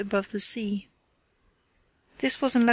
above the sea. This was in lat.